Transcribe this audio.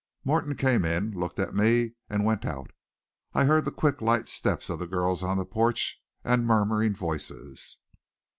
Morton came in, looked at me, and went out. I heard the quick, light steps of the girls on the porch, and murmuring voices.